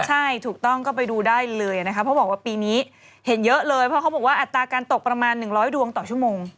ใช่ถูกต้องก็ไปดูได้เลยนะคะเพราะบอกว่าปีนี้เห็นเยอะเลยเพราะเขาบอกว่าอัตราการตกประมาณ๑๐๐ดวงต่อชั่วโมง